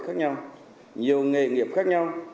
khác nhau nhiều nghề nghiệp khác nhau